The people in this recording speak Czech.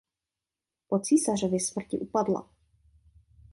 Po císařově smrti upadla.